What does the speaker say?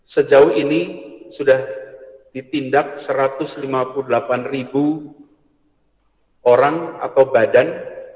sejauh ini sudah ditindak satu ratus lima puluh delapan ribu orang atau badan